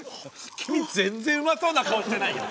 君全然うまそうな顔してないよ！